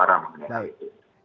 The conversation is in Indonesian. bersuara mengenai itu